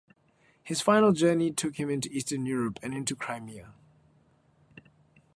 His final journey took him into Eastern Europe, and into Crimea.